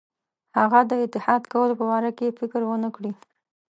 هغه د اتحاد کولو په باره کې فکر ونه کړي.